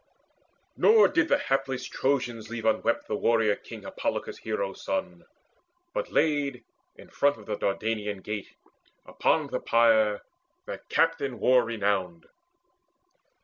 Nor did the hapless Trojans leave unwept The warrior king Hippolochus' hero son, But laid, in front of the Dardanian gate, Upon the pyre that captain war renowned.